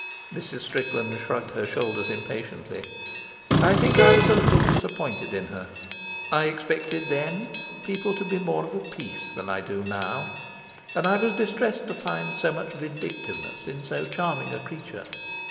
Mrs. Strickland shrugged her shoulders impatiently. I think I was a little disappointed in her. I expected then people to be more of a piece than I do now, and I was distressed to find so much vindictiveness in so charming a creature.